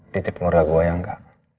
ditit perlu ada gue ya angga